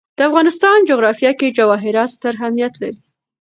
د افغانستان جغرافیه کې جواهرات ستر اهمیت لري.